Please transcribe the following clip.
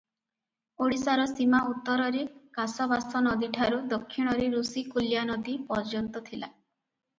ଓଡିଶାର ସୀମା ଉତ୍ତରରେ କାଶବାଶନଦୀଠାରୁ ଦକ୍ଷିଣରେ ଋଷିକୁଲ୍ୟାନଦୀ ପର୍ଯ୍ୟନ୍ତ ଥିଲା ।